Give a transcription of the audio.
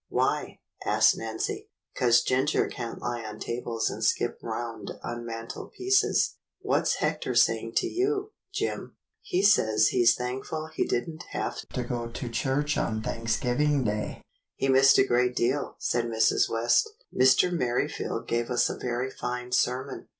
"Why.?" asked Nancy. "'Cause Ginger can't lie on tables and skip round on mantelpieces. What's Hector saying to you, Jim.?" "He says he's thankful he did n't have to go to church on Thanksgiving Day." "He missed a great deal," said Mrs. West. "Mr. Merrifield gave us a very fine sermon."